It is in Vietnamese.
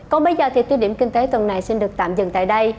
còn bây giờ thì tuyên điểm kinh tế tuần này xin được tạm dừng tại đây